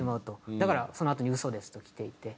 だからそのあとに「嘘です」ときていて。